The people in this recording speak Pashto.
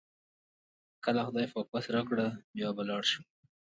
کله خدای پاک وس راکړ بیا به لاړ شم.